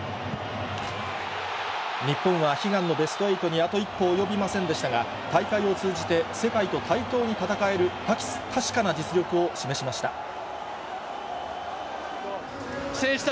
日本は悲願のベスト８にあと一歩及びませんでしたが、大会を通じて、世界と対等に戦える確かな実力を示しました。